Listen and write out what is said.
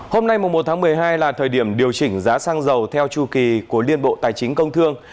hôm nay một tháng một mươi hai là thời điểm điều chỉnh giá xăng dầu theo chu kỳ của liên bộ tài chính công thương